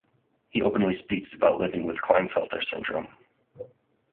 He openly speaks about living with Klinefelter syndrome.